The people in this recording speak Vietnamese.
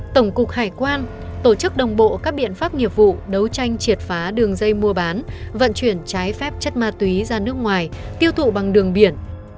tổng cục hải quan tổ chức đồng bộ các biện pháp nghiệp vụ đấu tranh triệt phá đường dây mua bán vận chuyển trái phép chất ma túy ra nước ngoài tiêu thụ bằng đường biển